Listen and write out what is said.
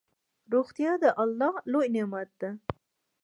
روغتيا دالله لوي نعمت ده